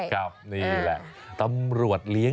เข้าใจที่คุณบอกเลย